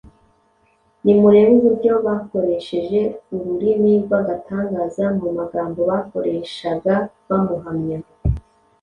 Nimurebe uburyo bakoresheje ururimi rw’agatangaza mu magambo bakoreshaga bamuhamya!